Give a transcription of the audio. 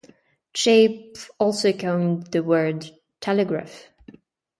Chappe also coined the word "telegraph".